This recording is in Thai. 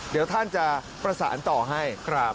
เดี๋ยวท่านจะประสานต่อให้